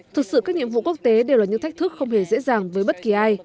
thực sự các nhiệm vụ quốc tế đều là những thách thức không hề dễ dàng với bất kỳ ai